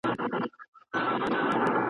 جهاني قاصد دي بولي نوی زېری یې راوړی !.